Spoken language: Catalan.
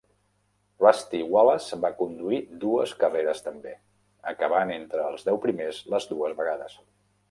Rusty Wallace va conduir dues carreres també, acabant entre els deu primers les dues vegades.